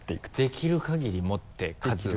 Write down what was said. できる限り持って数を。